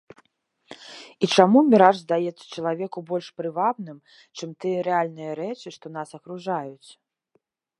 І чаму міраж здаецца чалавеку больш прывабным, чым тыя рэальныя рэчы, што нас акружаюць?